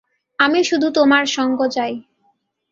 আমি শুধু তোমার সঙ্গ চাই।